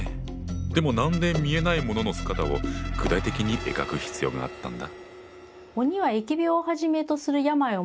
でもなんで見えないものの姿を具体的に描く必要があったんだ？